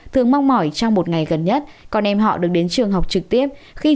thường mong mỏi trong một ngày gần nhất con em họ được đến trường học trực tiếp